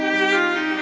nih ga ada apa apa